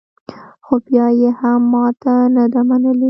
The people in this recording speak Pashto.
خو بیا یې هم ماته نه ده منلې